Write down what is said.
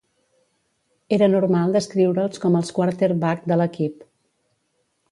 Era normal descriure'ls com els "quarterback" de l'equip.